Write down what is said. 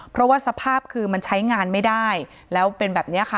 เพราะว่าสภาพคือมันใช้งานไม่ได้แล้วเป็นแบบนี้ค่ะ